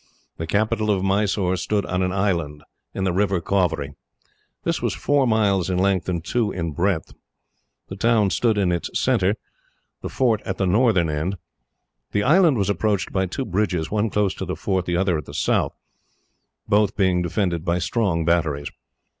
The capital of Mysore stood on an island, in the river Cauvery. This was four miles in length, and two in breadth. The town stood in its centre, the fort at the northern end. The island was approached by two bridges, one close to the fort, the other at the south, both being defended by strong batteries.